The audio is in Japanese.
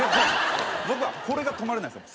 僕はこれが止まれないんですよ